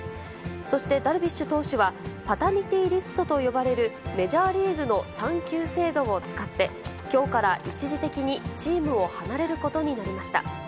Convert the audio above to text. そして、ダルビッシュ投手はパタニティ・リストと呼ばれるメジャーリーグの産休制度を使って、きょうから一時的にチームを離れることになりました。